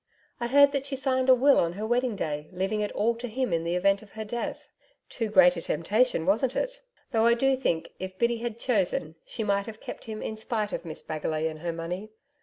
I heard that she signed a will on her wedding day, leaving it all to him in the event of her death. Too great a temptation, wasn't it? Though I do think if Biddy had chosen she might have kept him in spite of Miss Bagalay and her money.